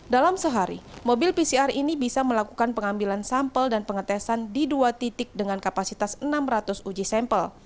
dalam sehari mobil pcr ini bisa melakukan pengambilan sampel dan pengetesan di dua titik dengan kapasitas enam ratus uji sampel